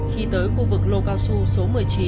khi tới khu vực lô cao su số một mươi chín